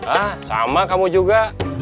ah sama kamu juga